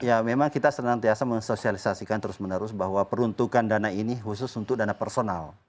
ya memang kita senantiasa mensosialisasikan terus menerus bahwa peruntukan dana ini khusus untuk dana personal